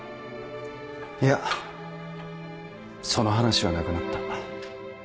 いやその話はなくなった。